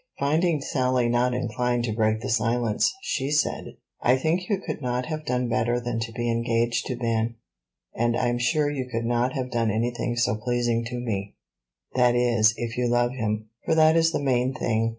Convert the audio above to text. Finding Sally not inclined to break the silence, she said, "I think you could not have done better than to be engaged to Ben; and I'm sure you could not have done anything so pleasing to me; that is, if you love him, for that is the main thing.